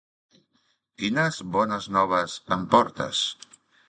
Quines bones noves em portes?